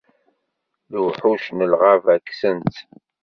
Lewḥuc n lɣaba ksan-tt.